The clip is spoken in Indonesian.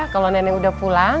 kalau nenek udah pulang